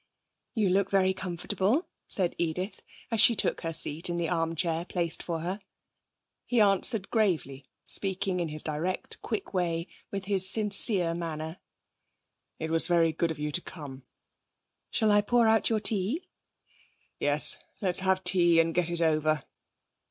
'You look very comfortable,' said Edith, as she took her seat in the arm chair placed for her. He answered gravely, speaking in his direct, quick way, with his sincere manner: 'It was very good of you to come.' 'Shall I pour out your tea?' 'Yes. Let's have tea and get it over.'